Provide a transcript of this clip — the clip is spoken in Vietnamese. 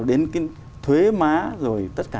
đến thuế má rồi tất cả